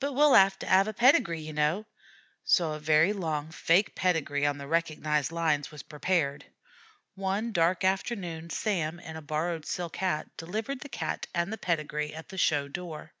"But we'll 'ave to 'ave a pedigree, ye kneow." So a very long fake pedigree on the recognized lines was prepared. One dark afternoon Sam, in a borrowed silk hat, delivered the Cat and the pedigree at the show door.